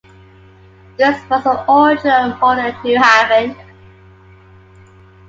This was the origin of modern Newhaven.